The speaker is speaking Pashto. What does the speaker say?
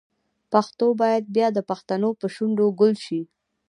پښتو باید بیا د پښتنو په شونډو ګل شي.